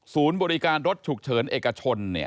บริการรถฉุกเฉินเอกชน